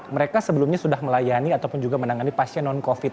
mereka sebelumnya sudah melayani ataupun juga menangani pasien non covid